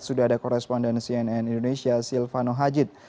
sudah ada korespondensi nn indonesia silvano hajid